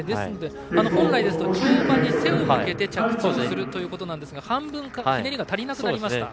本来ですと跳馬に背を向け着地をするということですが半分、ひねりが足りなくなりました。